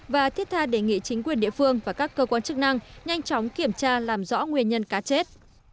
và thiết tha đề nghị chính quyền địa phương và các cơ quan chức năng nhanh chóng kiểm tra làm rõ nguyên nhân cá chết